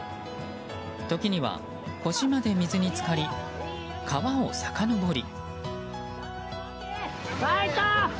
時には腰まで水に浸かり川をさかのぼり。